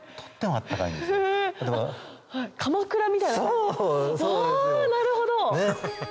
あなるほど！